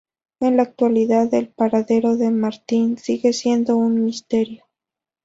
En la actualidad el paradero de Martin sigue siendo un misterio.